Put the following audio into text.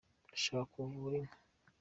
ndashaka kugura inka